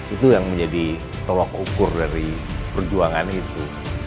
itu yang menjadi tolak ukur dari perjuangan itu